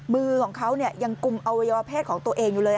มือของเขายังกุมอวัยวะเพศของตัวเองอยู่เลย